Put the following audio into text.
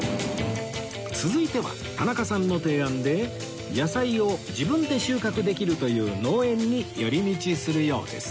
続いては田中さんの提案で野菜を自分で収穫できるという農園に寄り道するようです